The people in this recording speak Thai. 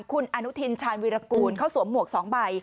คุณอนุทินชาญวิรากูลเขาสวมหมวก๒ใบ